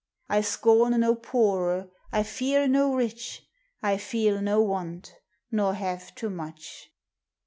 I scorne no poore, I feare no rich ; I feele no want, nor have too much.